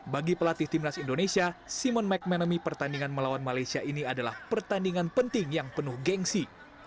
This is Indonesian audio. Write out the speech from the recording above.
bagi pelatih timnas indonesia simon mcmanamy pertandingan melawan malaysia ini adalah pertandingan penting yang penuh gengsi